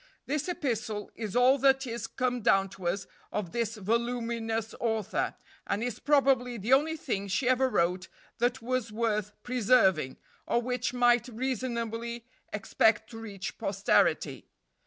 This epistle is all that is come down to us of this voluminous author, and is probably the only thing she ever wrote that was worth preserving, or which might reasonably expect to reach posterity.